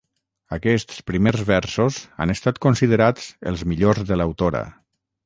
Aquests primers versos han estat considerats els millors de l'autora.